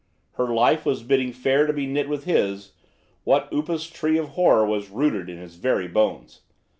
Her life was bidding fair to be knit with his, what Upas tree of horror was rooted in his very bones?